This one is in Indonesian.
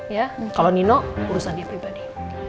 ya kalau nino urusannya pribadi